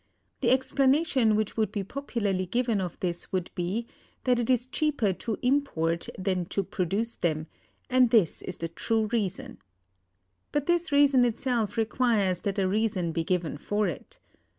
The explanation which would be popularly given of this would be, that it is cheaper to import than to produce them: and this is the true reason. But this reason itself requires that a reason be given for it.